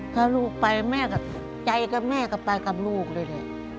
ถ้าลูกไปใจกับแม่ก็ไปกับลูกเลยเลย